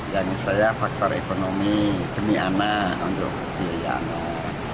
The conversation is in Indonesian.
yang saya faktor ekonomi demi anak untuk biaya anak